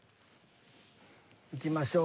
いきましょう